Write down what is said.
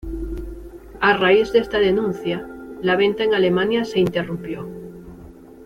A raíz de esta denuncia, la venta en Alemania se interrumpió.